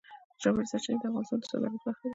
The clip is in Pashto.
ژورې سرچینې د افغانستان د صادراتو برخه ده.